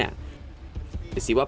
di siwa penganiayaan